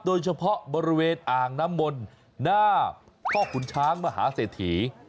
โดยเฉพาะบริเวณอ่างน้ำมนต์หน้าพ่อขุนช้างมหาเศรษฐี